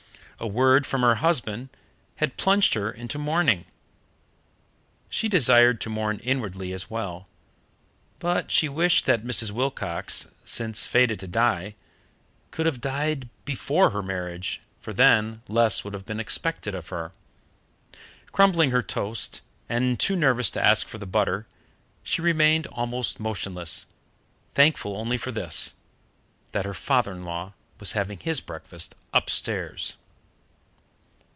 A word from her husband had plunged her into mourning. She desired to mourn inwardly as well, but she wished that Mrs. Wilcox, since fated to die, could have died before the marriage, for then less would have been expected of her. Crumbling her toast, and too nervous to ask for the butter, she remained almost motionless, thankful only for this, that her father in law was having his breakfast upstairs.